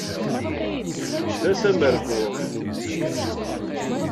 D ass amerbuḥ.